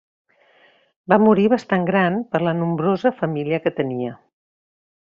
Va morir bastant gran per la nombrosa família que tenia.